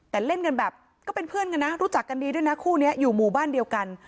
แต่เล่นกันแบบก็เป็นเพื่อนกันนะรู้จักกันดีด้วยนะคู่นี้อยู่หมู่บ้านเดียวกัน